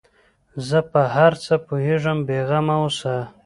زه په هر څه پوهېږم بې غمه اوسه.